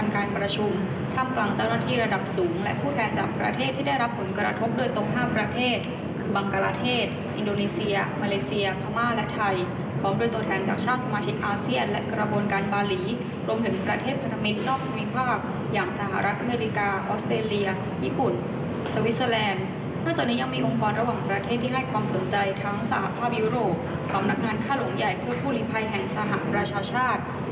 การประชุมว่าด้วยการโยกย้ายถิ่นฐานแบบไม่ปกติในมหาสมุทรอินเดียครั้งที่๒เริ่มเปิดฉากแล้ว